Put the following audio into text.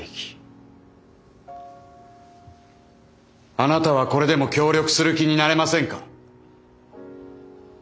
あなたはこれでも協力する気になれませんか？